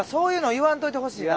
言わんといてほしいな。